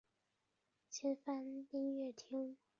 金帆音乐厅的所在建筑原为八面槽救世军中央堂。